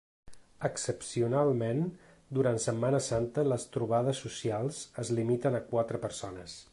Excepcionalment, durant Setmana Santa les trobades socials es limiten a quatre persones.